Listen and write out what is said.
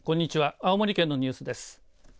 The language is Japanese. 青森県のニュースです。